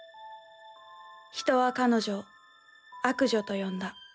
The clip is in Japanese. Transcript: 人は彼女を悪女と呼んだ。